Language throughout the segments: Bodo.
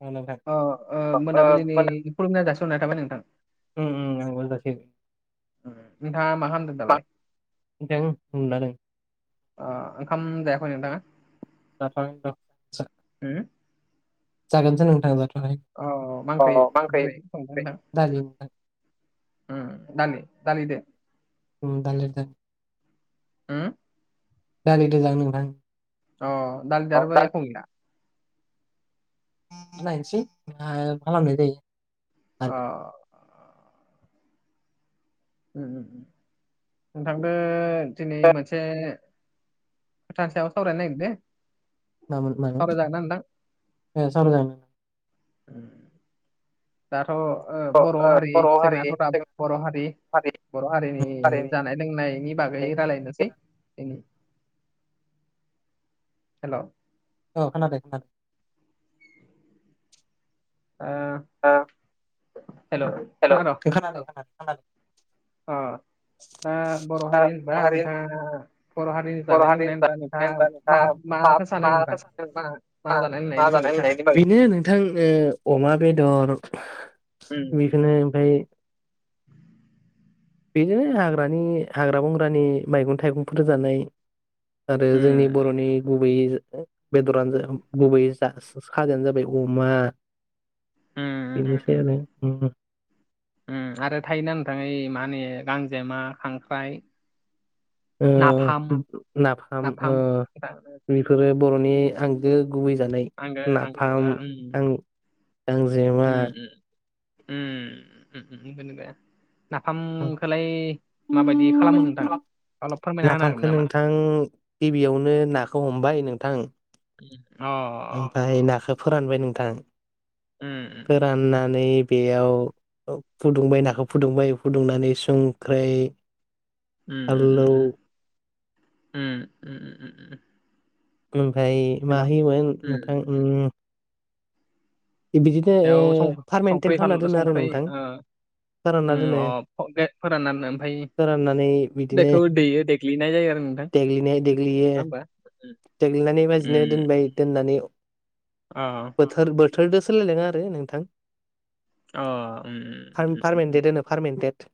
औ नोंथां अ ओ ओ मोनाबिलिनि मोना खुलुमनाय जासिरनाय थाबाय नोंथां उम उम [unintelligible] नोंथाङा मा खालामदों दालाय दों उनदुना दों ओ ओंखाम जायाखै नोंथाङा? [unintelligible] [unintelligible] जागोनसो नोंथां जाथाआखै औ मा ओंख्रि [unintelligible] दालि नोंथां उम दालि-दालिदो उम दालि दो [unintelligible] दालिजो जागोन नोंथां अ दालिदो अ आरो बाय दालि एख गैया नायनोसै मा खालामनाय जायो अ दालि उम नोंथांजो दिनै मोनसे खोथानि सायाव सावरायनो नागिरदो मामोन मामोन सावराय जागोन ना नोंथां? ओ सावरायजागोन दाथ ओ अ बर ओ हारि जोंनाथ दा जों बर हारि बर हारिनि जानाय लोंनायनि बागै रालायनोसै दिनि हेल औ खोनादों नोंथां ओ हेलौ खोनादों खोनादों खोनादों अ ओ बर खोनादों हारिहोनबा बर' हारि नोंथाङा बर हारि बर' जानाय हारिनि लोंनायहोनबा जानाय नोंथाङा होनबा मा नोंथाङा माखो सानो माखौ नोंथां सानो मा मा जानाय लोंनायनि बागै सानो? बेनो नोंथां ओ अमा बेदर उम बिखोनो ओमफ्राय बिनो हाग्रानि हाग्रा बंग्रानि मैगं थाइगंफोर जानाय आरो जोंनि उम बरनि गुबैयै बेदरानो जा गुबै जा खाजायानो जाबाय अमा बिनिफ्राय आरो उम उम उम आरो थायोना नोंथां ओइ मा होनो गांजेमा खांख्राइ नाफाम ओ नाफाम ओ [unintelligible] फोरो बरनि आंगो गुबै जानाय आंगो आंगो नाफाम उम गां गांजेमा उम उम [unintelligible] नाफामखोलाय माबायदि खालामो नोंथां अलब फोरमायना होनो हागोन नाफामखौ नामा? नोंथां गिबियावनो नाखौ हमबाय नोंथां अ ओमफाय नाखो फोरानबाय नोंथां उम उम उम फोराननानै बेयाव फुदुंबाय नाखौ फुदुंबाय फुदुंनानै संख्राय उम उ उ ओमफाय मा होयोमोन नोंथां उम बिदिनो बेयाव संख्रि पारमेन्टेन संख्रि खालामना दोनो आरो संख्रि नोंथां ओ फोरानना दोनो अे फोराननानै ओमफ्राय फोराननानै बिदिनो बेखौ दैयो देग्लिनाय जायो आरो नोंथां देग्लिनाय देग्लियो नङा होमबा देग्लिनानै बादिनो दोनबाय दोननानै आ आ बोथोर बोथोरदों सोलायलाङो आरो नोंथां अ उम उम, उम, फारमिन्देद होनो फारमेन्टेड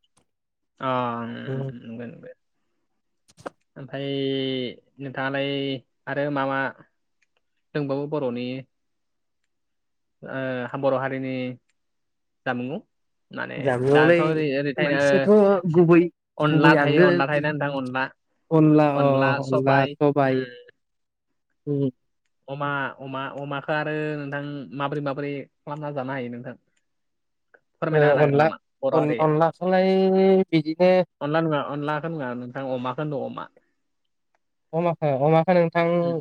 अ‌ उम उम ओमफाय नोंथाङालाय आरो मा मा दोंबावो बर'नि बर' हारिनि जामुं जामुआलाय ओ मोनसेथ' गुबै अनला गुबै थायो आंगो अनला थायोना नोंथां अनला अनला अ अनला सबाय उम सबाइ अमा अमा अमाखौ आरो नोंथां माबोरै माबोरै खालामना जानो हायो नोंथां फोरमायना होनो हागोन अनला नामा बर' हारियाव अनलाखौलाय बिदिनो अनला नङा अनलाखौ नङा नोंथां अमाखौनो होनदों अमा अमाखौ अमाखौ नोंथां उम,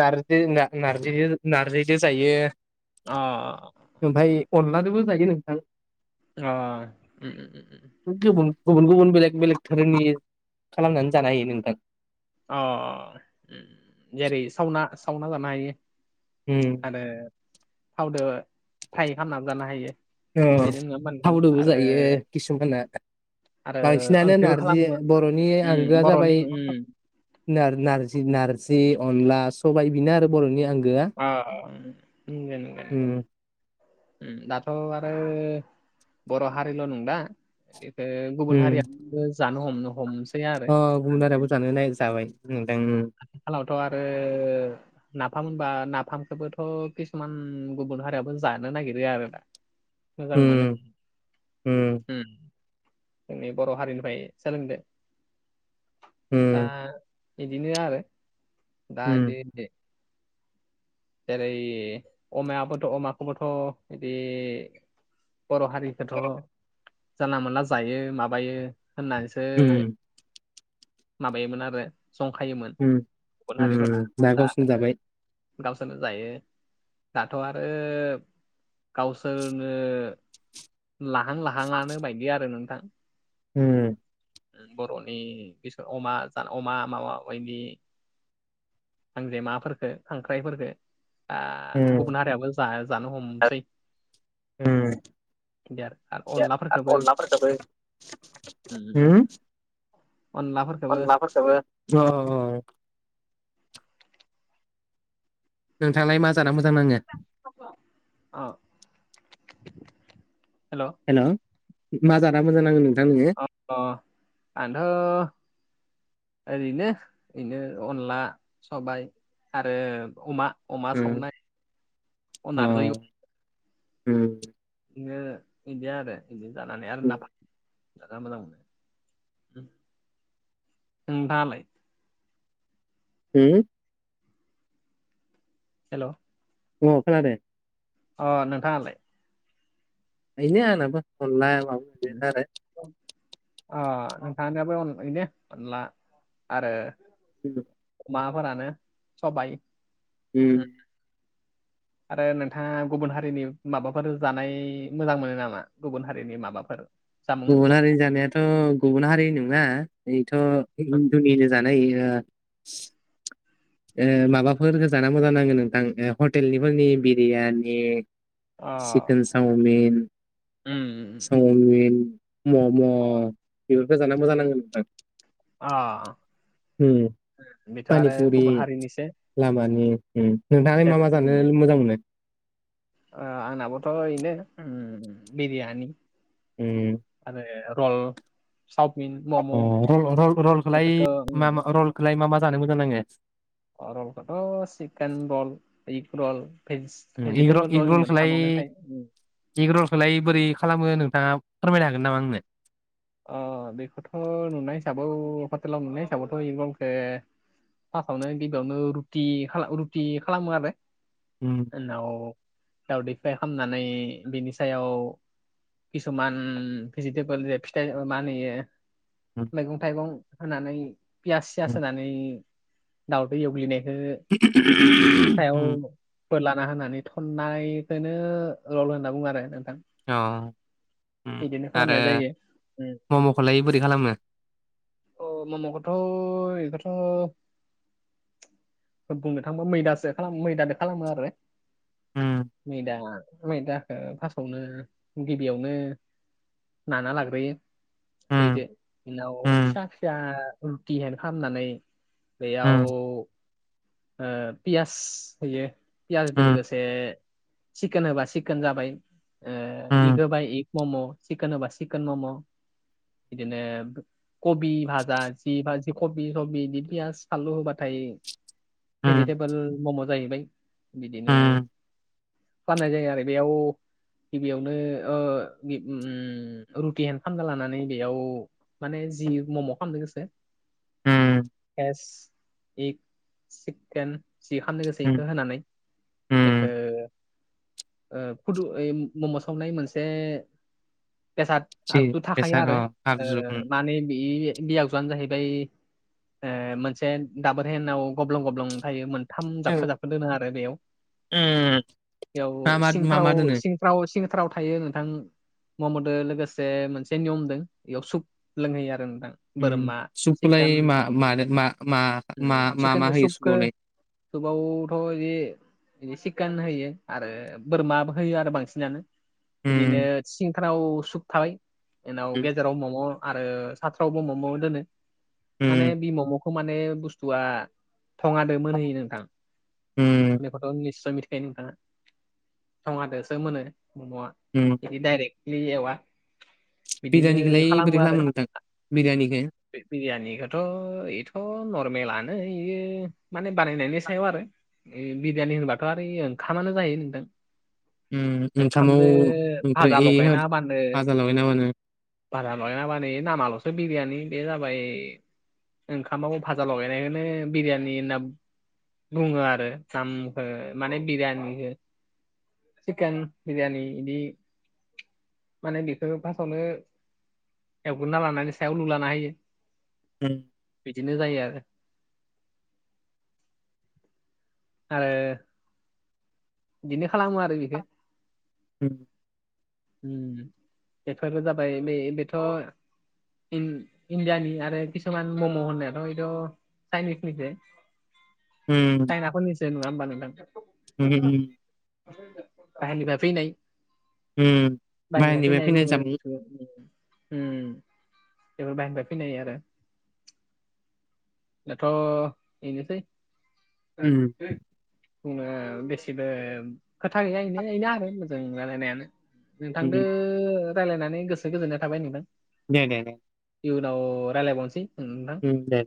नारजि नारजि नारजिजों जायो अ ओमफाय अनलाजोंबो जायो नोंथां अ उम उम उम। गुबुन गुबुन गुबुन बेलेग बेलेग दोहोरनि खालामनानै जानो हायो नोंथां। अ अ उम। जेरै सावना सावना जानो हयो उम आरो थावजों फ्राइ खालामनानैबो जानो हायो। अ बेनो नङा होमबा नोंथां थावदोबो आरो जायो किसुमाना आरो बांसिनानो ओंख्रिबो नारजि खालामो बर'नि उम आंगोआ बर'नि जाबाय उम नारजि नारजि अनला सबाइ बिनो आरो बर'नि आंगो अ उम उम दाथ' आरो बर' हारिल' नंदा बेखौ गुबुन उम हारिया जानो हमनो हमसै आरो अ गुबुन हारियाबो जानो नाय जाबाय नोंथां। आथिखालावथ' आरो नाफाम होनबा नाफामखौबोथ' किसुमान गुबुन हारियावबो जानो नागिरो आरोना। मोजां मोनो उम उम जोंनि बर' हारिनिफ्राय सोलोंदो आ उम इदिनो आरो दा उम इदि जेरै अमायाबोथ' अमाखौबोथ' इदि बर' हारिखौथ' जानला मोनला जायो माबायो होननानैसो ओ उम माबायोमोन आरो जंखायोमोन उम गुबुन हारिफोरा उम ना दा गावसिन आरो जाबाय गावसोरनो जायो दाथ' आरो गावसोरनो लाहां लाहांआनो बायदि आरो नोंथां उम बर'नि बिसोर अमा जानो अमा माबा बायदि गांजेमाफोरखो खांख्राइफोरखो उम गुबुन हारियाबो जानो हमनोसै उम द आरो आरो अनलाफोरखौबो अनलाफोरखौबो अनलाफोर अनला फोरखोबो नोंथांलाय मा जाना मोजां नाङो अ हेल' हेल' मा जाना मोजां नांगोन नोंथां नोङो अ आथ' ओरैनो बिनो अनला सबाय आरो अमा अमा उम, सावनाय अ अनारै उम बिदिनो बिदिया आरो बिदिनो जानानै आरो उम नाफ जा मोजां मोनो दालाय होम? हेल' औ खोनादो अ नोंथाङालाय बेनो आंनाबो अनला मा [unintelligible] अ नोंथांनोबो बिनो अनला आरो [unintelligible] माबाफोरानो सबाइ उम आरो नोंथाङा गुबुन हारिनि माबाफोर जानाय मोजां मोनो नामा गुबुन हारिनि माबाफोर जामुं गुबुन हारिनि जानायाथ' गुबुन हारि नङा थ' हिन्दुनिनो जानाय ए माबाफोर गोजाना मोजां नाङो नोंथां हटेलनिफोरनि बिरियानि अ चिकेन चावमिन च उम चावमिन मम' बेफोरखौ जाना मोजां नांङो नोंथां अ उम बेथ' आरो पानिपुरि गुबुन हारिनिसो लामानि नोंथाङा मा मा जानो मोजां मोनो आंनाबोथ' ओनो बिरियानि ए आरो र'ल सावमिन रल-रल रलखौलाय उम मा रलखौलाय मा मा जानो मोजां नाङो रलखौथ' चकेन रल एग रल भि उम एग भेजिटेबोल रलि मोनथामानोथाय इक रलखौलाय बोरै खालामो नोंथाङा फोरमायनो हागोन नामा आंनो अ बेखौथ' नुनाय हिसाबै हटेलाव नुनाय हिसाबावथ' इक रलखो फार्आवनो गिबियावनो रुटि रुटि खालामो आरो उम उनाव दावदै फ्राय खालामनानै बिनि सायाव किसुमान बेजिथेबोल मा होनो इयो उम मैगं थाइगं होनानै पियास सियास उम होनानै दाउद' एवग्लिनाय सायाव उम बोरलाना होनानै थननायखोनो रल होनना बुङो आरो नोंथां औ उम बिदिनो आरो खालामनाय जायो उम। मम'खोलाय बोरै खालामो अ म'म खोथ' इखोथ' बुंनो थाङोबा मैदासो खालाम मैदादो खालामो आरो मैदा मैदाखौ फार्स्टआवनो गिबियावनो नाना लाग्रोयो। दैदो बिनाव फिसा फिसा रुटि हेन्द खालामनानै बेयाव ओ पियास होयो पियाजजों लोगोसे सिकेन होबा सिकेन जाबाय इग होबाय इग मम' सिखोन होबा सिखोन मम' बिदिनो कबि भाजा जि कबि सबि दि पियास फानलु होबाथाय भेजिटेबोल मम' जाहैबाय बिदिनो फाननाय जायो आरो बेयाव गिबियावनो ओ रुटि हेन्द खालामना लानानै बेयाव माने जि मम' खालामदों गोसो भेस इक सिकेन जि खालामनो गोसो बेखौ होनानै बेखौ ओ फुदु मम' सावनाय मोनसे बेसाद आगजु थाखायो आरो ओ माने बे बे आगजुआनो जाहैबाय ओ मोनसे दाबोरहेनाव गब्लं गब्लं थायो थाम जाबखो जाबखो दोनो आरो बेयाव बेयाव मा मा मा मा सिंथाराव दोनो? सिं आव सिंथ्राव थायो नोंथां ममदो लोगोसे मोनसे नियम दं बेयाव सुब लोंहोयो आरो नोंथां। बोरमा चिकेन सुबखौलाय मा मा मा मा मा मा होयो सुबखौ सुपआवलाय? सुबआवथ' बिदि बि चिकेन होयो आरो बोरमा होयो आरो बांसिनानो। इदिनो सिंफोराव सुब थाबाय उनाव गेजेराव मम'। आरो साथ्रावबो म'म' दोनो माने बि म'म'खौ माने बुस्थुआ थङादो मोनहैयो नोंथां। उम। बेखौथ' निस्सय मिथिखायो नोंथाङा थंहादोसो मोनो मम'आ। [unintelligible] डायरेकलि एवा। बिदिनो बिरियानिखौलाय बोरै खालामो नाथां बिरियानिखौ? बे बिरियानिखोथ' बेथ' नरमेलानो। इयो माने बानायनायनि सायाव आरो। ए बिरियानि होनबाथ' आरो ओंखामानो जायो नोंथां। ओंखामाव ओंखामजों ओमफ्राय भाजा ए होद लगायना होबानो भाजा लगायना मानो? बारा लय नाबा न नामाल'सो बिरयानि बे जाबाय ओंखामाव भाजा लगायनायखौनो बिरियानि होनना बुङो आरो दामखौ माने बिरियानिखौ चिकेन बिरियानि इदि माने बेखौ फासावनो एवग्रोना लानानै सायाव लुलाना होयो। उम। बिदिनो जायो आरो। आरो बिदिनो खालामो आरो बेखौ। [unintelligible] उम बेफोरबो जाबाय बे बेथ' इन इण्डियानि आरो किसुमान मम' होननायाथ' हयथ' चाइनिसनिसो। [unintelligible] उम। सायनाफोरनिसो नङा होमबा नोंथां? [unintelligible] बाहेरनिफ्राय फैनाय बाहेरनिफ्राय फैनाय बुंबाय उम बेफोर बाहेरनिफ्राय फैनाय आरो दाथ' बेनोसै बुंना बेसे गसिबो खोथा गैया बेनो बेनो आरो मोजां रायलायनायानो नोंथां रायजलायनानै गोसो गोजोननाय थाबाय नोंदों दे दे दे इउ नाव रायलायबावनोसै नोंथां उम दे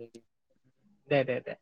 दे दे दे